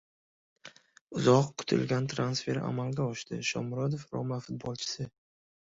Uzoq kutilan transfer amalga oshdi. Shomurodov "Roma" futbolchisi!